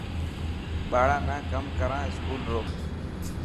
ٻاران نا ڪم ڪرا اسڪول رو.